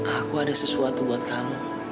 aku ada sesuatu buat kamu